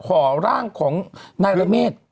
ดื่มน้ำก่อนสักนิดใช่ไหมคะคุณพี่